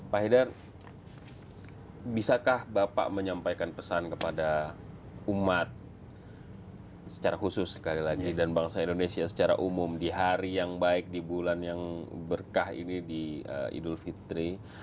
pak haidar bisakah bapak menyampaikan pesan kepada umat secara khusus sekali lagi dan bangsa indonesia secara umum di hari yang baik di bulan yang berkah ini di idul fitri